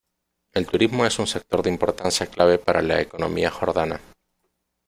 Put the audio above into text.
El turismo es un sector de importancia clave para la economía jordana.